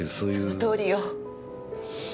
そのとおりよ。